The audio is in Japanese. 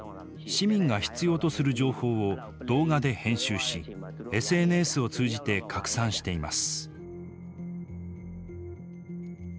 市民が必要とする情報を動画で編集しＳＮＳを通じて拡散しています。